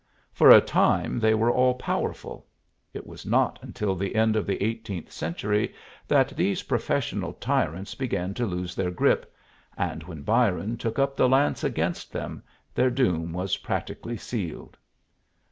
For a time they were all powerful. It was not until the end of the eighteenth century that these professional tyrants began to lose their grip, and when Byron took up the lance against them their doom was practically sealed.